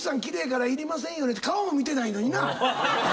顔も見てないのにな。